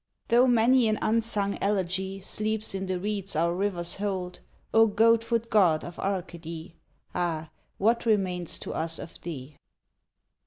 Though many an unsung elegy Sleeps in the reeds our rivers hold, O goat foot God of Arcady! Ah, what remains to us of thee?